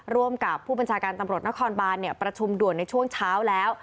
ร่วมกับผู้บัญชาการตำรวจนครบานประชุมด่วนในช่วงเช้าแล้ว